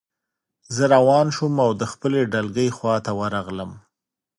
زه روان شوم او د خپلې ډلګۍ خواته ورغلم